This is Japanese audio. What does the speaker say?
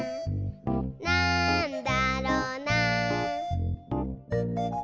「なんだろな？」